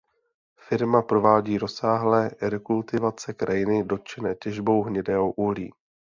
Firma provádí rozsáhlé rekultivace krajiny dotčené těžbou hnědého uhlí.